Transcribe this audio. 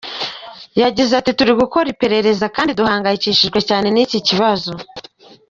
Yagize ati “ Turi gukora iperereza kandi duhangayikishijwe cyane n’iki kibazo.